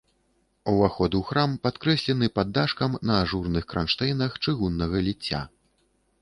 Уваход у храм падкрэслены паддашкам на ажурных кранштэйнах чыгуннага ліцця.